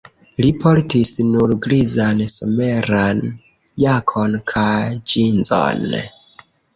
Li portis nur grizan someran jakon kaj ĝinzon.